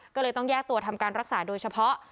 ก็เลยต้องแยกตัวทำการรักษาโดยเฉพาะ